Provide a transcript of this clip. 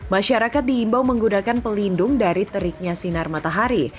masyarakat diimbau menggunakan pelindung dari teriknya sinar matahari